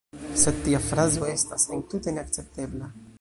Sed tia frazo estas entute neakceptebla.